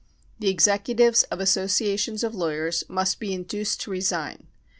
The Executives of Associations of Lawyers must be induced to resign.